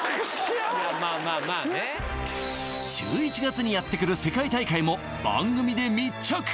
いやまあまあまあね１１月にやってくる世界大会も番組で密着！